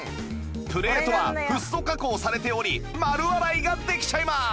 プレートはフッ素加工されており丸洗いができちゃいます！